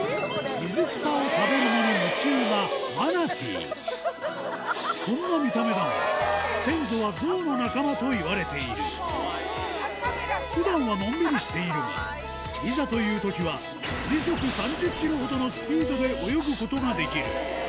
水草を食べるのに夢中なこんな見た目だが普段はのんびりしているがいざというときは時速３０キロほどのスピードで泳ぐことができる